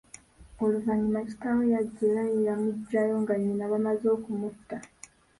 Oluvanyuma kitaawe yajja era yeeyamuggyayo nga nnyina bamaze okumutta.